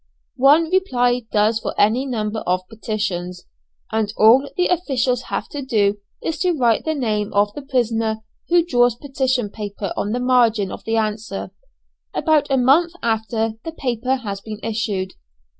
One reply does for any number of petitions, and all the officials have to do is to write the name of the prisoner who draws petition paper on the margin of the answer, about a month after the paper has been issued.